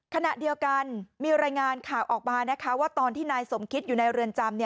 ขณะเดียวกันมีรายงานข่าวออกมานะคะว่าตอนที่นายสมคิดอยู่ในเรือนจำ